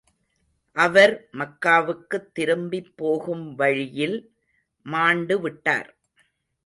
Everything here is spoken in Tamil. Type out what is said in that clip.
அவர் மக்காவுக்குத் திரும்பிப்போகும் வழியில் மாண்டு விட்டார்.